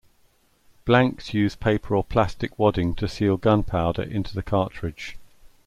Blanks use paper or plastic wadding to seal gunpowder into the cartridge.